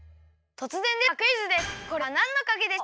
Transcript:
とつぜんですがクイズです。